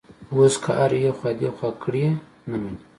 اوس که هر ایخوا دیخوا کړي، نه مني.